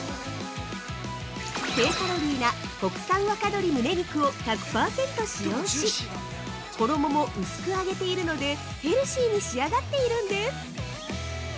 低カロリーな国産若鶏むね肉を１００％使用し、衣も薄く揚げているので、ヘルシーに仕上がっているんです。